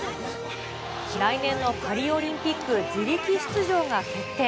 来年のパリオリンピック自力出場が決定。